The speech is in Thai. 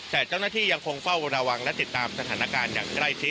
แต่เจ้าหน้าที่ยังคงเฝ้าระวังและติดตามสถานการณ์อย่างใกล้ชิด